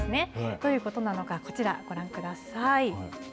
どういうことなのか、こちらご覧ください。